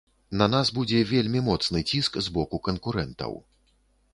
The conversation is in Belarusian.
На нас будзе вельмі моцны ціск з боку канкурэнтаў.